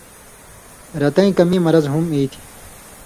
رَتَیں کمِیں مرض ہُم ای تھی۔